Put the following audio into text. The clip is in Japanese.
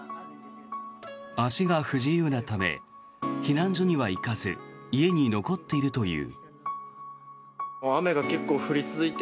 足が不自由なため避難所には行かず家に残っているという。